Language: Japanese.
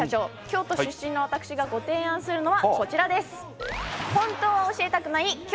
京都出身の私がご提案するのはこちらです。